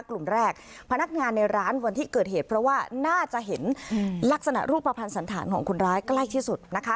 กลุ่มแรกพนักงานในร้านวันที่เกิดเหตุเพราะว่าน่าจะเห็นลักษณะรูปภัณฑ์สันธารของคนร้ายใกล้ที่สุดนะคะ